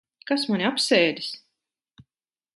Kas mani apsēdis?